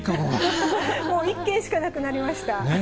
もう１軒しかなくなりました。